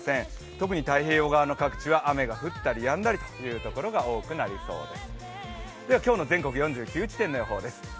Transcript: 特に太平洋側の各地は雨が降ったりやんだりというところが多くなりそうです。